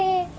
di dalam wc